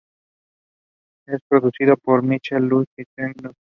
Fue producido por Michael Lutz y Ted Nugent.